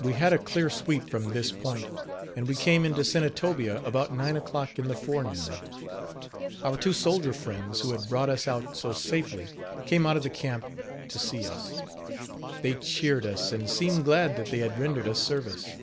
We had a clear sweep from this point, and we came into Senatobia about nine o'clock in the forenoon. Our two soldier friends, who had brought us out so safely, came out of camp to see us. They cheered us, and seemed glad that they had rendered us service.